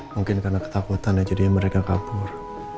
mungkin karena ketakutan aja mereka kabur